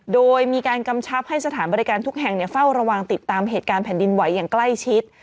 โดยมีการกำชับให้สถานบริการทุกแห่งเฝ้าระวังติดตามเหตุการณ์แผ่นดินไหวอย่างใกล้ชิด